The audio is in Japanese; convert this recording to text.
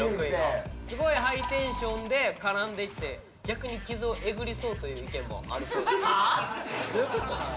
すごいハイテンションで絡んできて逆に傷をえぐりそうという意見もあるそうです。